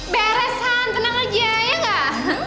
beres han tenang aja ya nggak